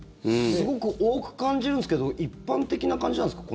すごく多く感じるんですけど一般的な感じなんですか？